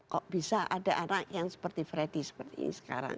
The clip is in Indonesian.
kok bisa ada anak yang seperti freddy seperti ini sekarang